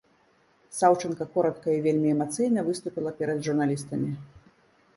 Саўчанка коратка і вельмі эмацыйна выступіла перад журналістамі.